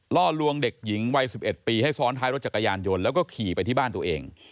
ล่อลวงเด็กหญิงวัย๑๑ปีให้ซ้อนท้ายรถจักรยานยนต์แล้วก็ขี่ไปที่บ้านตัวเอง